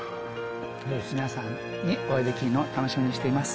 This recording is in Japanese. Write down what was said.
皆さんにお会いできるのを楽しみにしています